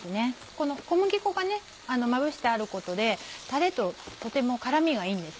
この小麦粉がまぶしてあることでタレととても絡みがいいんです。